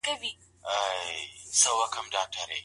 ولي هوډمن سړی د هوښیار انسان په پرتله هدف ترلاسه کوي؟